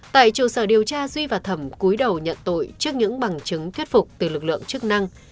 tại trụ sở điều tra duy và thẩm cúi đầu nhận tội trước những bằng chứng thuyết phục từ lực lượng chức năng